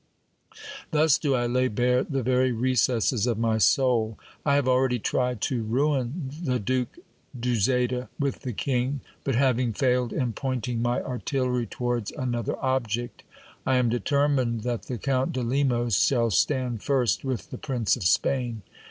Thus do I lay bare the very recesses of my soul. I have already tried to ruin the Duke d'Uzeda with the king ; but having failed, am pointing my artillery towards another object. I am determined that the Count de Lemos shall stand first with the Prince of Spain.